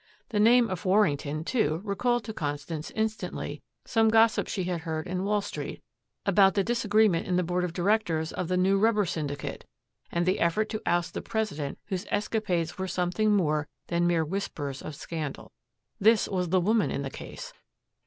The name of Warrington, too, recalled to Constance instantly some gossip she had heard in Wall Street about the disagreement in the board of directors of the new Rubber Syndicate and the effort to oust the president whose escapades were something more than mere whispers of scandal. This was the woman in the case.